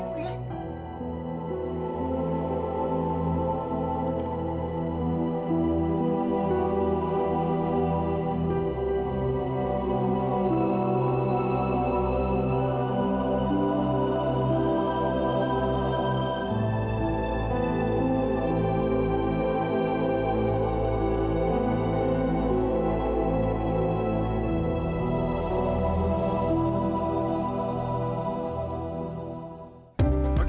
aku tak mau